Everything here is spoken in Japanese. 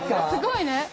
すごいね。